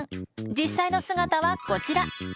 実際の姿はこちら。